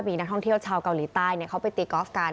มีนักท่องเที่ยวชาวเกาหลีใต้เขาไปตีกอล์ฟกัน